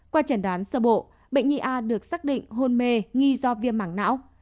qua chẩn đoán sơ bộ bệnh nhi a được xác định hôn mê nghi do viêm mảng não